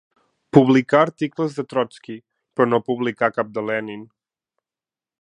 Publicà articles de Trotski, però no publicà cap de Lenin.